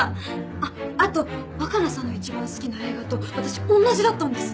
あっあと若菜さんの一番好きな映画と私おんなじだったんです。